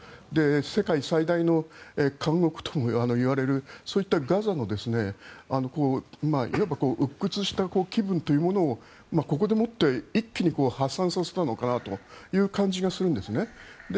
世界最大の監獄ともいわれるそういったガザのいわばうっ屈した気分というものをここでもって一気に発散させたのかなという感じがするんですね。